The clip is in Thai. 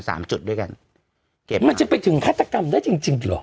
สามจุดด้วยกันเก็บมันจะไปถึงฆาตกรรมได้จริงจริงเหรอ